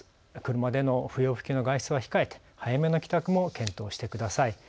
車での不要不急の外出は控えて早めの帰宅も検討してください。